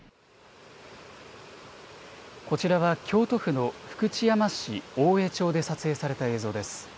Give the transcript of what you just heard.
こちらは、京都府の福知山市大江町で撮影された映像です。